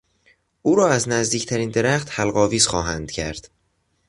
او را از نزدیکترین درخت حلق آویز خواهند کرد.